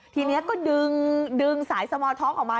ทีนี้ก็ดึงสายสมอท้องออกมา